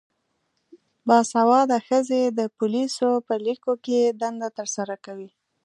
باسواده ښځې د پولیسو په لیکو کې دنده ترسره کوي.